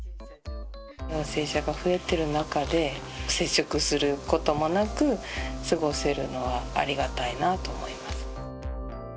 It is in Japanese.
陽性者が増えてる中で、接触することもなく過ごせるのはありがたいなと思います。